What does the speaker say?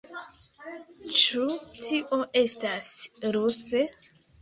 Ĉu tio estas ruse?